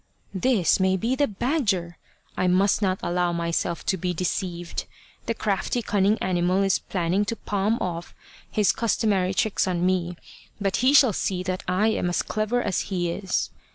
" This may be the badger ! I must not allow my self to be deceived ! The crafty cunning animal is 274 The Badger Haunted Temple planning to palm off his customary tricks on me, but he shall see that I am as clever as he is."